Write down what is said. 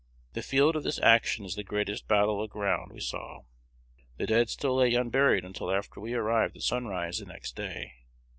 The field of this action is the greatest battle ground we saw. The dead still lay unburied until after we arrived at sunrise the next day.